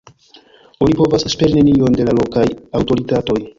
Oni povas esperi nenion de la lokaj aŭtoritatoj.